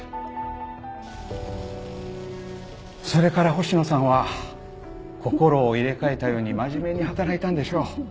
それから星野さんは心を入れ替えたように真面目に働いたんでしょう。